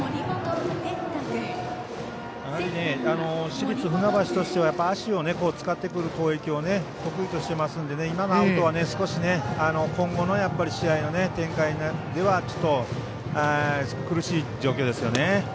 市立船橋としては足を使ってくる攻撃を得意としてますので今のアウトは少し、今後の試合の展開では苦しい状況ですよね。